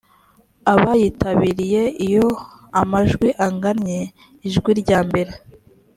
abayitabiriye iyo amajwi angannye ijwi ryambere